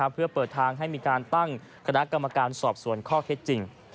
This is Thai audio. เพื่อเปิดทางให้มีการตั้งคณะกรรมการสอบสวนข้อเท็จจริง